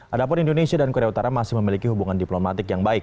adapun indonesia dan korea utara masih memiliki hubungan diplomatik yang baik